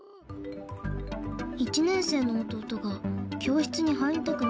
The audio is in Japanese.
１年生の弟が教室に入りたくないって。